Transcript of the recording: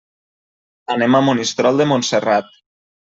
Anem a Monistrol de Montserrat.